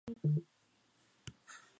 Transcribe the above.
¿que partieses?